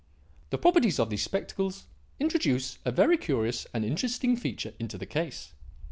"The properties of these spectacles introduce a very curious and interesting feature into the case.